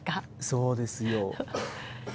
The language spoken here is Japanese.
そうですよ。